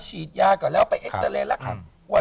ฉีดยาก่อนแล้วไปเอ็กซาเรย์แล้ว